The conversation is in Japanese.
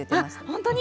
本当に？